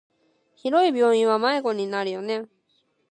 広い病院は迷子になるよね。